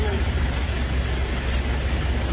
อ๋อต้องกลับมาก่อน